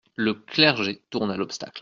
Le clergé tourna l'obstacle.